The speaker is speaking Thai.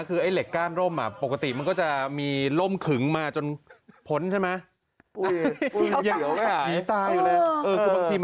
คือไอ้เหล็กก้านร่มปกติมันก็จะมีร่มขึงมาจนพ้นใช่ไหม